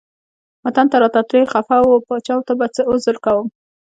وطن ته راته ډیر خپه و پاچا ته به څه عذر کوم.